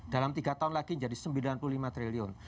dalam tiga tahun lagi menjadi sembilan puluh lima triliun